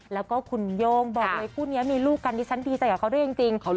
แล้วก็คุณโย่งบอกเลยคู่นี้มีลูกกันดิฉันดีใจกับเขาด้วยจริง